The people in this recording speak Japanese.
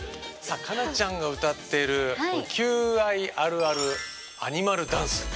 さあ夏菜ちゃんが歌っている「求愛あるあるアニマルダンス」。